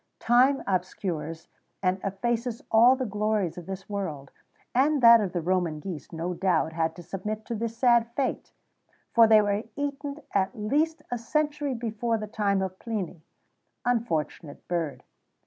time obscures and effaces all the glories of this world; and that of the Roman geese, no doubt, had to submit to this sad fate,[XVII 65] for they were eaten at least a century before the time of Pliny. Unfortunate bird!